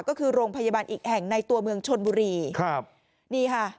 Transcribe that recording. ก็คือโรงพยาบาลอีกแห่งในตัวเมืองชนบุรีครับนี่ค่ะ